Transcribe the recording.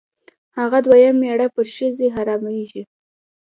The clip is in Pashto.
هغه دویم مېړه پر ښځې حرامېږي.